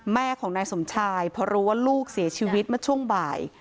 แม่ของนายสมชายพอรู้ว่าลูกเสียชีวิตเมื่อช่วงบ่าย